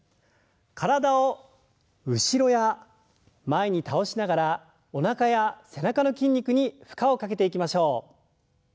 体を後ろや前に倒しながらおなかや背中の筋肉に負荷をかけていきましょう。